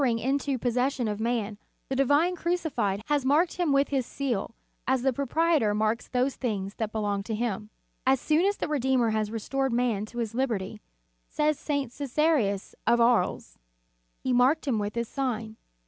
321 ing into possession of man, the Divine Cruci fied has marked him with his seal, as the proprietor marks those things that belong to him. "As soon as the Redeemer had restored man to his liberty," says St. Csesarius of Aries, "He marked him with His sign.